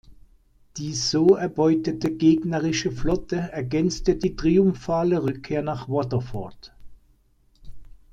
Die so erbeutete gegnerische Flotte ergänzte die triumphale Rückkehr nach Waterford.